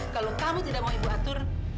kalau kamu tidak mau ibu atur